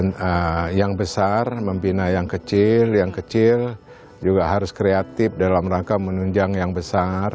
yang besar membina yang kecil yang kecil juga harus kreatif dalam rangka menunjang yang besar